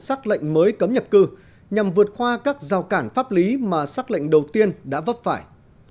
xác lệnh mới cấm nhập cư nhằm vượt qua các giao cản pháp lý mà xác lệnh đầu tiên đã vấp phải